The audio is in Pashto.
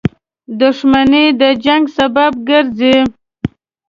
• دښمني د جنګ سبب ګرځي.